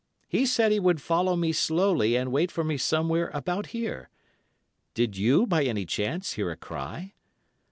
He said he would follow me slowly and wait for me somewhere about here. Did you by any chance hear a cry?